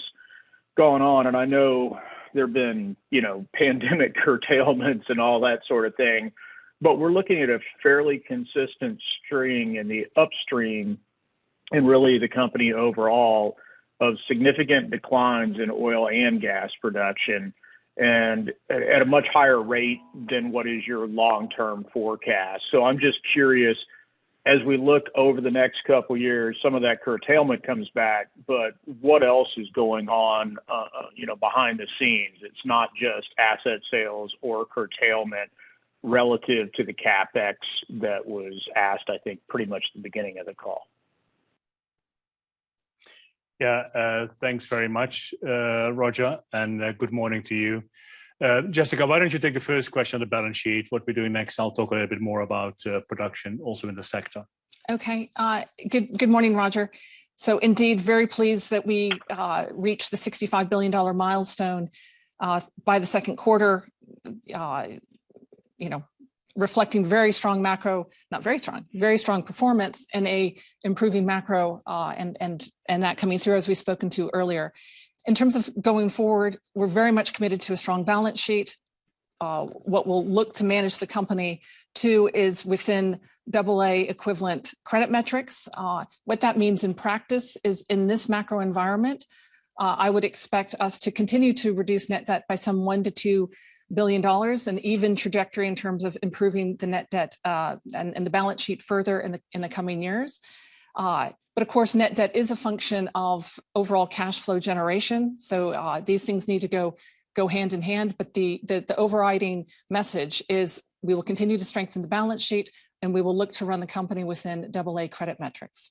going on, and I know there have been pandemic curtailments and all that sort of thing, but we're looking at a fairly consistent string in the upstream and really the company overall of significant declines in oil and gas production and at a much higher rate than what is your long-term forecast. I'm just curious, as we look over the next couple years, some of that curtailment comes back, but what else is going on behind the scenes? It's not just asset sales or curtailment relative to the CapEx that was asked, I think, pretty much at the beginning of the call. Yeah. Thanks very much, Roger. Good morning to you. Jessica, why don't you take the first question on the balance sheet, what we're doing next. I'll talk a little bit more about production also in the sector. Good morning, Roger. Indeed, very pleased that we reached the $65 billion milestone by the second quarter reflecting very strong macro, not very strong, very strong performance in a improving macro, and that coming through as we've spoken to earlier. In terms of going forward, we're very much committed to a strong balance sheet. What we'll look to manage the company to is within AA equivalent credit metrics. What that means in practice is in this macro environment, I would expect us to continue to reduce net debt by some $1 billion-$2 billion, an even trajectory in terms of improving the net debt and the balance sheet further in the coming years. Of course, net debt is a function of overall cash flow generation. These things need to go hand in hand, but the overriding message is we will continue to strengthen the balance sheet, and we will look to run the company within AA credit metrics.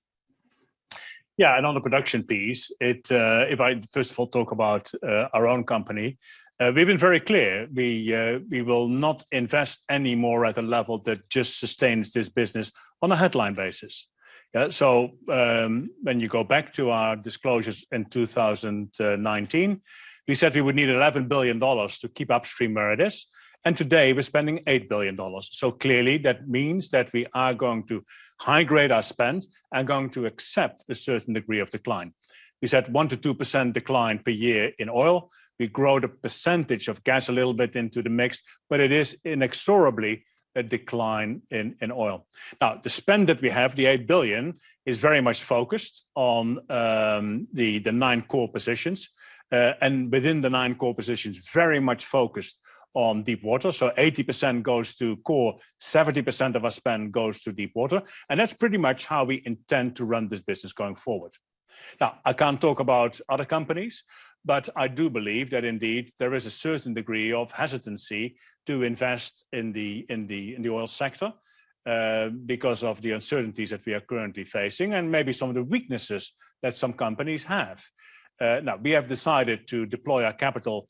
Yeah, on the production piece, if I first of all talk about our own company, we've been very clear. We will not invest any more at a level that just sustains this business on a headline basis. When you go back to our disclosures in 2019, we said we would need $11 billion to keep upstream where it is, and today we're spending $8 billion. Clearly that means that we are going to high-grade our spend and going to accept a certain degree of decline. We said 1%-2% decline per year in oil. We grow the percentage of gas a little bit into the mix, it is inexorably a decline in oil. The spend that we have, the $8 billion, is very much focused on the nine core positions. Within the nine core positions, very much focused on deep water. 80% goes to core, 70% of our spend goes to deep water, and that's pretty much how we intend to run this business going forward. I can't talk about other companies, but I do believe that indeed there is a certain degree of hesitancy to invest in the oil sector because of the uncertainties that we are currently facing and maybe some of the weaknesses that some companies have. We have decided to deploy our capital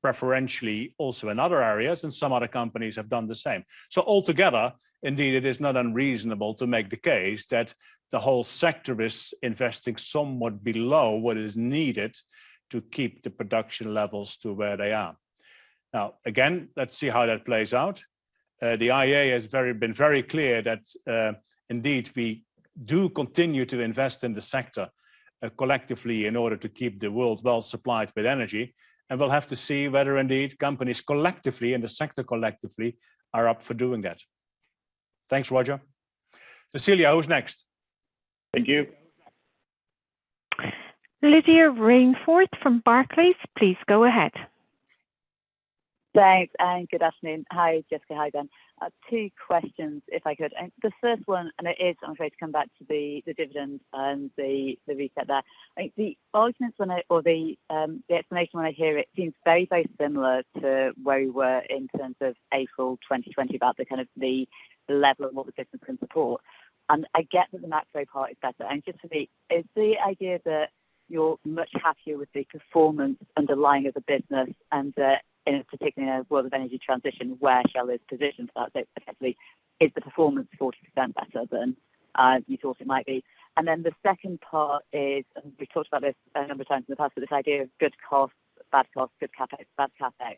preferentially also in other areas, and some other companies have done the same. Altogether, indeed, it is not unreasonable to make the case that the whole sector is investing somewhat below what is needed to keep the production levels to where they are. Again, let's see how that plays out. The IEA has been very clear that indeed we do continue to invest in the sector collectively in order to keep the world well-supplied with energy, and we'll have to see whether indeed companies collectively and the sector collectively are up for doing that. Thanks, Roger. Cecilia, who's next? Thank you. Lydia Rainforth from Barclays, please go ahead. Thanks, good afternoon. Hi, Jessica. Hi, Ben. Two questions if I could. The first one, and it is, I'm going to come back to the dividend and the reset there. I think the arguments when I, or the explanation when I hear it seems very, very similar to where we were in terms of April 2020, about the kind of the level of what the business can support. I get that the macro part is better. Just for me, is the idea that you're much happier with the performance underlying of the business and that in particular world of energy transition, where Shell is positioned such that potentially is the performance 40% better than you thought it might be? The second part is, we've talked about this a number of times in the past, but this idea of good costs, bad costs, good CapEx, bad CapEx.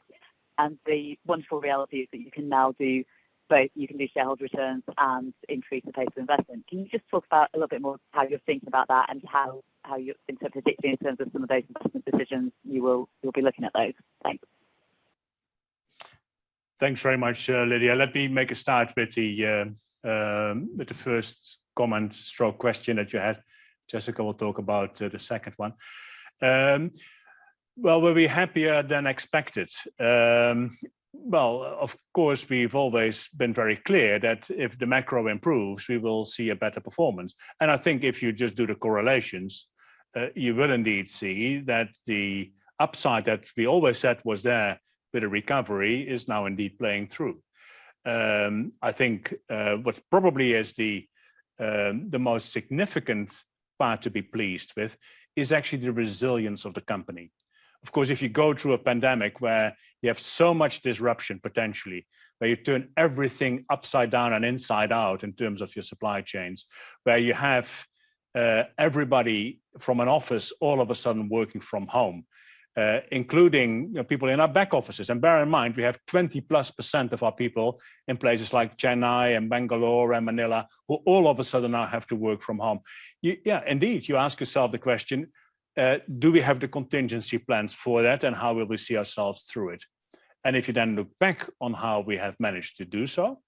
The wonderful reality is that you can now do both. You can do shareholder returns and increase the pace of investment. Can you just talk about a little bit more how you're thinking about that and how you're, in terms of predicting, in terms of some of those investment decisions, you'll be looking at those. Thanks. Thanks very much, Lydia. Let me make a start with the first comment/question that you had. Jessica will talk about the second one. Well, were we happier than expected? Well, of course, we've always been very clear that if the macro improves, we will see a better performance. I think if you just do the correlations, you will indeed see that the upside that we always said was there with a recovery is now indeed playing through. I think, what probably is the most significant part to be pleased with is actually the resilience of the company. Of course, if you go through a pandemic where you have so much disruption, potentially, where you've turned everything upside down and inside out in terms of your supply chains, where you have everybody from an office all of a sudden working from home, including people in our back offices. Bear in mind, we have 20%+ of our people in places like Chennai and Bangalore and Manila, who all of a sudden now have to work from home. Indeed, you ask yourself the question, do we have the contingency plans for that, and how will we see ourselves through it? If you then look back on how we have managed to do so,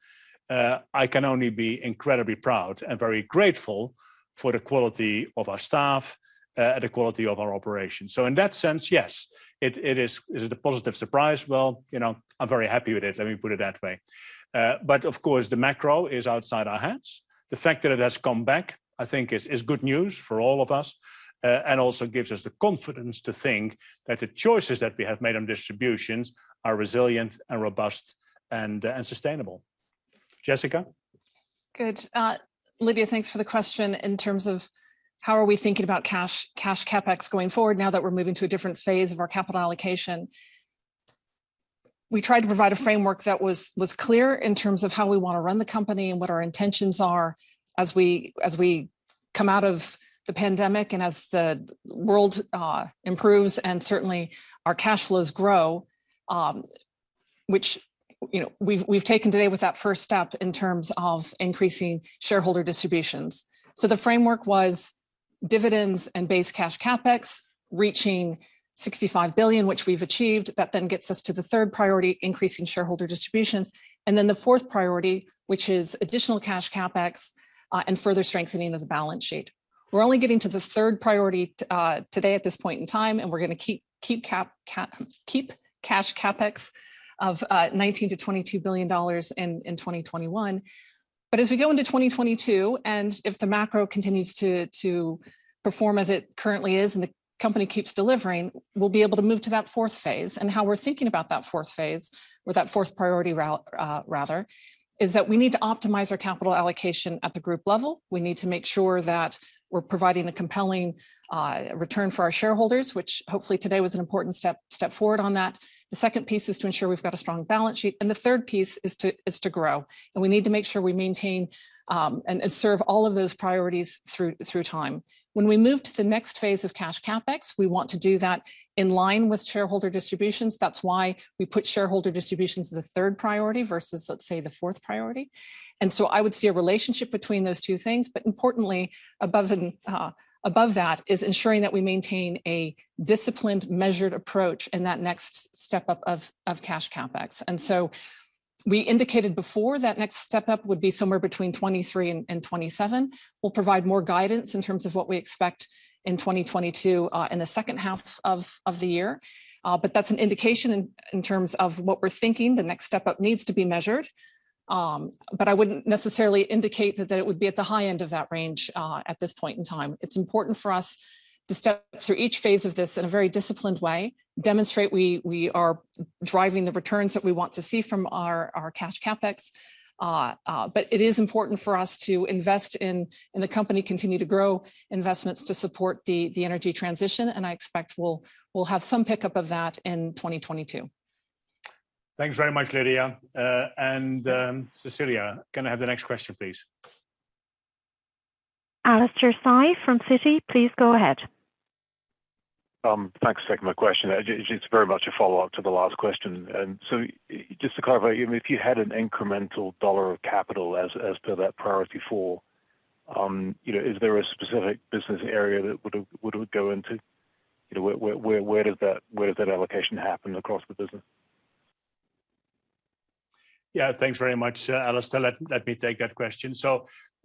I can only be incredibly proud and very grateful for the quality of our staff, the quality of our operations. In that sense, yes, it is a positive surprise. Well, I am very happy with it, let me put it that way. Of course, the macro is outside our hands. The fact that it has come back, I think, is good news for all of us, and also gives us the confidence to think that the choices that we have made on distributions are resilient and robust and sustainable. Jessica? Good. Lydia, thanks for the question in terms of how are we thinking about cash CapEx going forward now that we're moving to a different phase of our capital allocation? We tried to provide a framework that was clear in terms of how we want to run the company and what our intentions are as we come out of the pandemic and as the world improves and certainly our cash flows grow, which we've taken today with that first step in terms of increasing shareholder distributions. The framework was dividends and base cash CapEx reaching $65 billion, which we've achieved. That gets us to the third priority, increasing shareholder distributions. The fourth priority, which is additional cash CapEx, and further strengthening of the balance sheet. We're only getting to the third priority today at this point in time, and we're going to keep cash CapEx of $19 billion-$22 billion in 2021. As we go into 2022, and if the macro continues to perform as it currently is and the company keeps delivering, we'll be able to move to that fourth phase. How we're thinking about that fourth phase, or that fourth priority route rather, is that we need to optimize our capital allocation at the group level. We need to make sure that we're providing a compelling return for our shareholders, which hopefully today was an important step forward on that. The second piece is to ensure we've got a strong balance sheet, and the third piece is to grow. We need to make sure we maintain and serve all of those priorities through time. When we move to the next phase of cash CapEx, we want to do that in line with shareholder distributions. That's why we put shareholder distributions as a third priority versus, let's say, the fourth priority. I would see a relationship between those two things, but importantly, above that is ensuring that we maintain a disciplined, measured approach in that next step-up of cash CapEx. We indicated before that next step-up would be somewhere between 23 and 27. We'll provide more guidance in terms of what we expect in 2022, in the second half of the year. That's an indication in terms of what we're thinking the next step-up needs to be measured. I wouldn't necessarily indicate that it would be at the high end of that range at this point in time. It's important for us to step through each phase of this in a very disciplined way, demonstrate we are driving the returns that we want to see from our cash CapEx. It is important for us to invest in the company, continue to grow investments to support the energy transition, and I expect we'll have some pickup of that in 2022. Thanks very much, Lydia. Cecilia, can I have the next question, please? Alastair Syme from Citi, please go ahead. Thanks for taking my question. It is very much a follow-up to the last question. Just to clarify, if you had an incremental dollar of capital as per that priority four, is there a specific business area that would it go into? Where does that allocation happen across the business? Yeah, thanks very much, Alastair Syme. Let me take that question.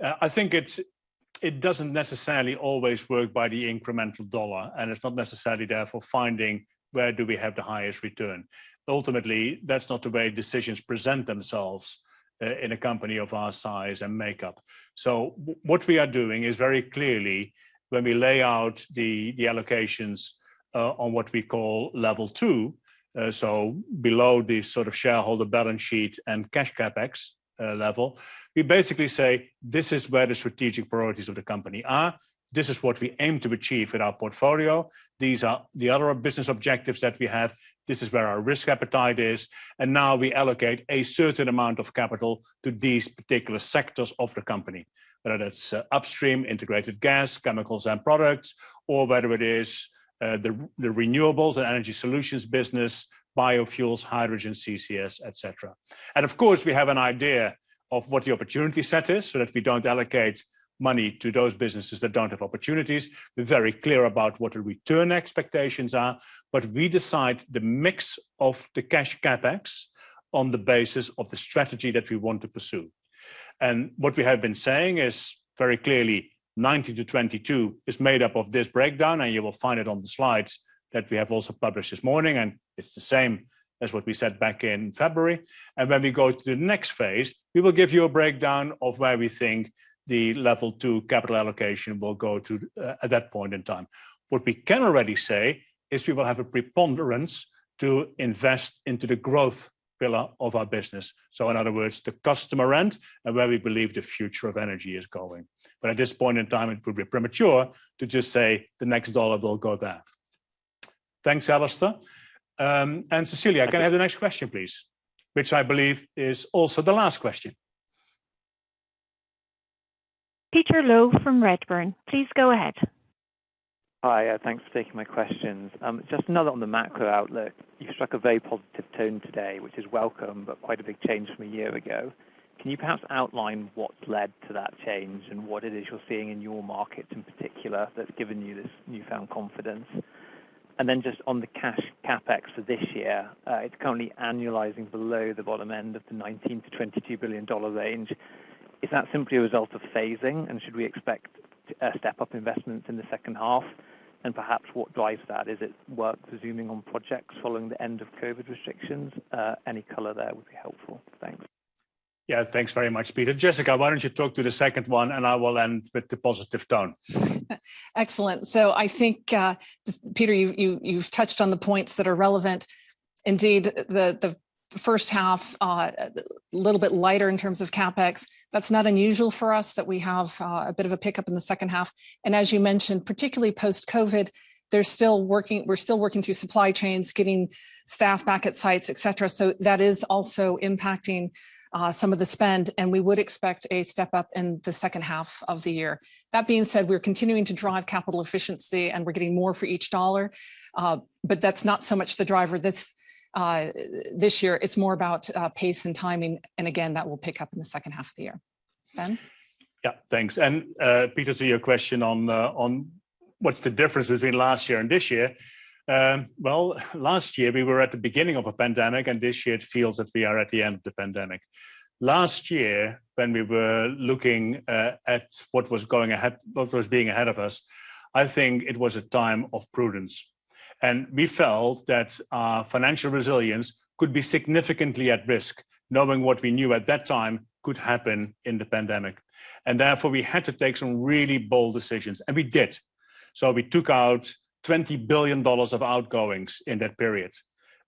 I think it doesn't necessarily always work by the incremental dollar, and it's not necessarily therefore finding where do we have the highest return. Ultimately, that's not the way decisions present themselves in a company of our size and makeup. What we are doing is very clearly when we lay out the allocations on what we call level two, below the shareholder balance sheet and cash CapEx level, we basically say, "This is where the strategic priorities of the company are. This is what we aim to achieve with our portfolio. These are the other business objectives that we have. This is where our risk appetite is. Now we allocate a certain amount of capital to these particular sectors of the company, whether that's upstream, Integrated Gas, chemicals and products, or whether it is the Renewables and Energy Solutions business, biofuels, hydrogen, CCS, et cetera. Of course, we have an idea of what the opportunity set is so that we don't allocate money to those businesses that don't have opportunities. We're very clear about what the return expectations are, but we decide the mix of the cash CapEx on the basis of the strategy that we want to pursue. What we have been saying is very clearly, 2019 to 2022 is made up of this breakdown, and you will find it on the slides that we have also published this morning, and it's the same as what we said back in February. When we go to the next phase, we will give you a breakdown of where we think the level two capital allocation will go to at that point in time. What we can already say is we will have a preponderance to invest into the growth pillar of our business, in other words, the customer end and where we believe the future of energy is going. At this point in time, it would be premature to just say the next dollar will go there. Thanks, Alastair Syme. Cecilia, can I have the next question, please, which I believe is also the last question? Peter Low from Redburn, please go ahead. Hi. Thanks for taking my questions. Just another on the macro outlook. You struck a very positive tone today, which is welcome, but quite a big change from a year ago. Can you perhaps outline what's led to that change and what it is you're seeing in your markets in particular that's given you this newfound confidence? Just on the cash CapEx for this year, it's currently annualizing below the bottom end of the $19 billion-$22 billion range. Is that simply a result of phasing, and should we expect a step-up investments in the second half? Perhaps what drives that? Is it work resuming on projects following the end of COVID restrictions? Any color there would be helpful. Thanks. Yeah. Thanks very much, Peter. Jessica, why don't you talk to the second one, and I will end with the positive tone. Excellent. I think, Peter, you've touched on the points that are relevant. Indeed, the first half, a little bit lighter in terms of CapEx. That's not unusual for us that we have a bit of a pickup in the second half. As you mentioned, particularly post-COVID, we're still working through supply chains, getting staff back at sites, et cetera. That is also impacting some of the spend, and we would expect a step-up in the second half of the year. That being said, we're continuing to drive capital efficiency, and we're getting more for each dollar. That's not so much the driver this year. It's more about pace and timing. Again, that will pick up in the second half of the year. Ben? Thanks. Peter, to your question on what's the difference between last year and this year. Well, last year we were at the beginning of a pandemic. This year it feels that we are at the end of the pandemic. Last year, when we were looking at what was ahead of us, I think it was a time of prudence. We felt that our financial resilience could be significantly at risk knowing what we knew at that time could happen in the pandemic. Therefore, we had to take some really bold decisions. We did. We took out $20 billion of outgoings in that period,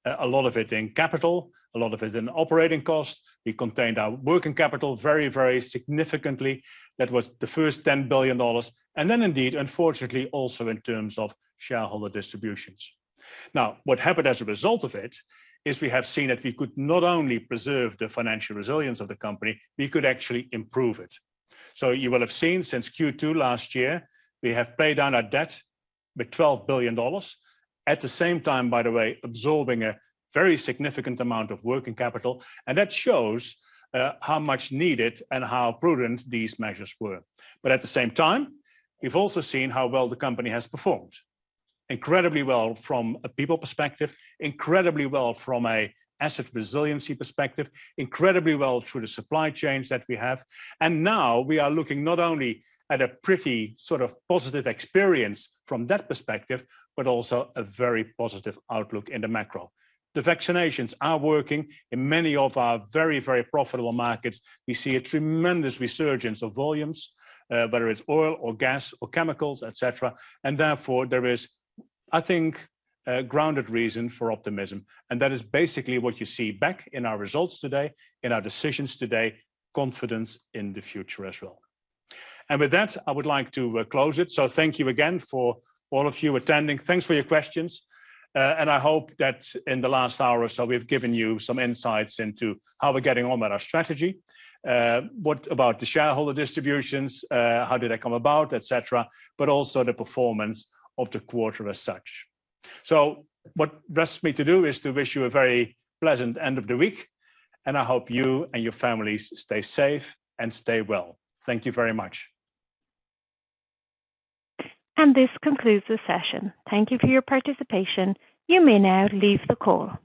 a lot of it in capital, a lot of it in operating costs. We contained our working capital very significantly. That was the first $10 billion. Indeed, unfortunately also in terms of shareholder distributions. What happened as a result of it is we have seen that we could not only preserve the financial resilience of the company, we could actually improve it. You will have seen since Q2 last year, we have paid down our debt with $12 billion. At the same time, by the way, absorbing a very significant amount of working capital. That shows how much needed and how prudent these measures were. At the same time, we've also seen how well the company has performed. Incredibly well from a people perspective, incredibly well from a asset resiliency perspective, incredibly well through the supply chains that we have. Now we are looking not only at a pretty sort of positive experience from that perspective, but also a very positive outlook in the macro. The vaccinations are working in many of our very, very profitable markets. We see a tremendous resurgence of volumes, whether it's oil or gas or chemicals, et cetera. Therefore, there is, I think, a grounded reason for optimism. That is basically what you see back in our results today, in our decisions today, confidence in the future as well. With that, I would like to close it. Thank you again for all of you attending. Thanks for your questions. I hope that in the last hour or so, we've given you some insights into how we're getting on with our strategy. What about the shareholder distributions, how did that come about, et cetera, but also the performance of the quarter as such. What rests me to do is to wish you a very pleasant end of the week, and I hope you and your families stay safe and stay well. Thank you very much. This concludes the session. Thank you for your participation. You may now leave the call.